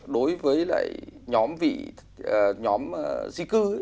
đối với lại nhóm vị nhóm di cư